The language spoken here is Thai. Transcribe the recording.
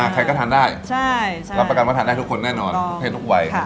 ใครก็ทานได้รับประกันว่าทานได้ทุกคนแน่นอนทุกเพศทุกวัย